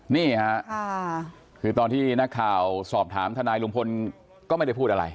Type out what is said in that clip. นี่ค่ะคือตอนที่นักข่าวสอบถามทนายลุงพลก็ไม่ได้พูดอะไร